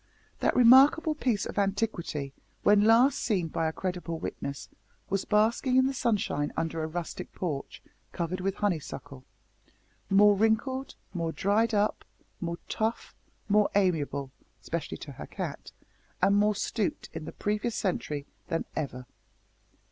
That remarkable piece of antiquity, when last seen by a credible witness, was basking in the sunshine under a rustic porch covered with honeysuckle, more wrinkled, more dried up, more tough, more amiable especially to her cat and more stooped in the previous century than ever.